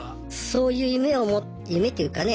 そういう夢を持夢っていうかね。